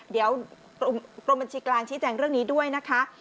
เดี๋ยวกรมบัญชีกลางชี้แจงเรื่องนี้ด้วยนะคะ